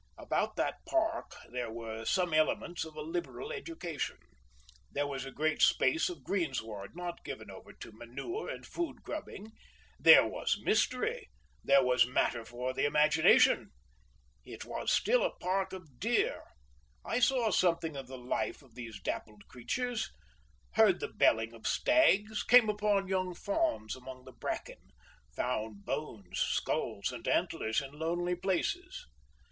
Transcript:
About that park there were some elements of a liberal education; there was a great space of greensward not given over to manure and food grubbing; there was mystery, there was matter for the imagination. It was still a park of deer. I saw something of the life of these dappled creatures, heard the belling of stags, came upon young fawns among the bracken, found bones, skulls, and antlers in lonely places.